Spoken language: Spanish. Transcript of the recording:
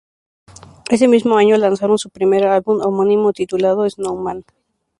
Ese mismo año lanzaron su primer álbum homónimo titulado Snowman.